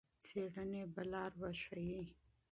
څېړنې به لار وښيي.